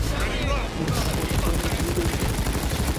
আপনার স–ব পড়া হয়ে গেছে?